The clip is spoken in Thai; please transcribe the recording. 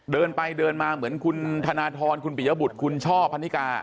เดินไปเดินมาเหมือนคุณธนทรคุณปิยบุตรคุณช่อพันนิกา